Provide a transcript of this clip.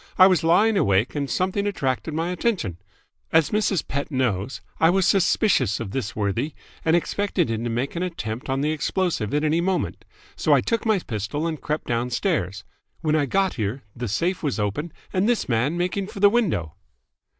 I was lying awake and something attracted my attention. As Mrs. Pett knows, I was suspicious of this worthy and expected him to make an attempt on the explosive at any moment: so I took my pistol and crept downstairs. When I got here, the safe was open and this man making for the window."